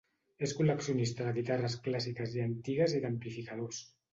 És col·leccionista de guitarres clàssiques i antigues i d'amplificadors.